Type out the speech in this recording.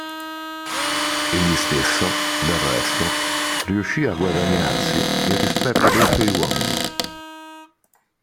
Egli stesso, del resto, riuscì a guadagnarsi il rispetto dei suoi uomini.